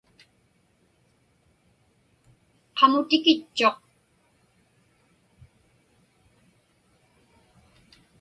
Qamutikitchuq.